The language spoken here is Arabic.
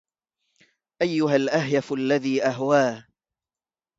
أيها الاهيف الذي أهواه